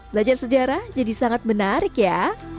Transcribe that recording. belajar sejarah jadi sangat menarik ya